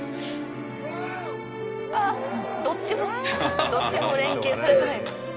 ああどっちもどっちも連係されてない。